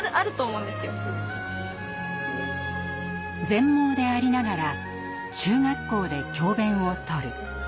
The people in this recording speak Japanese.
全盲でありながら中学校で教べんをとる。